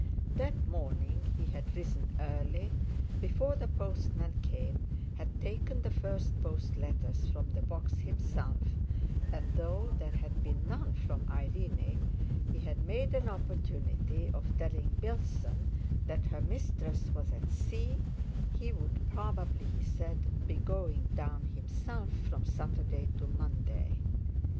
That morning he had risen early, before the postman came, had taken the first post letters from the box himself, and, though there had been none from Irene, he had made an opportunity of telling Bilson that her mistress was at the sea; he would probably, he said, be going down himself from Saturday to Monday.